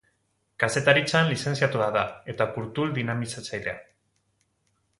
Kazetaritzan lizentziatua da eta kultur dinamizatzailea.